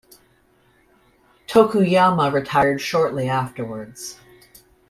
Tokuyama retired shortly afterwards.